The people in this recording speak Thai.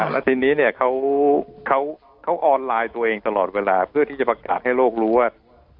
แล้วทีนี้เนี่ยเขาออนไลน์ตัวเองตลอดเวลาเพื่อที่จะประกาศให้โลกรู้ว่า